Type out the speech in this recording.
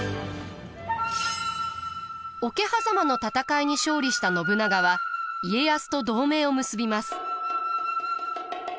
桶狭間の戦いに勝利した信長は家康と同盟を結びます。